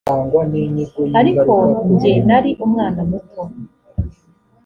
ariko jye nari umwana muto .